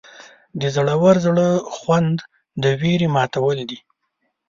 د زړور زړه خوند د ویرې ماتول دي.